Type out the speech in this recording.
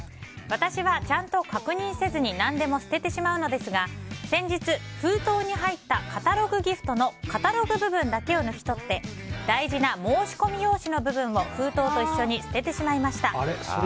私はちゃんと確認せずに何でも捨ててしまうのですが先日、封筒に入ったカタログギフトのカタログ部分だけを抜き取って大事な申込用紙の部分を封筒と一緒に捨ててしまいました。